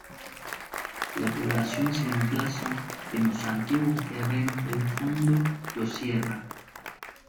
La población se emplaza en los antiguos terrenos del Fundo Lo Sierra.